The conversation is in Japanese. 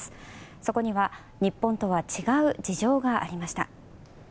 そこには日本とは違う事情がありました。